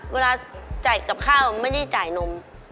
เวลาจ่ายกับข้าวไม่ได้จ่ายนม